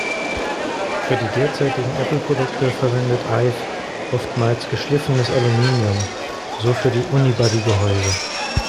Für die derzeitigen Apple-Produkte verwendet Ive oftmals geschliffenes Aluminium, so für die Unibody-Gehäuse.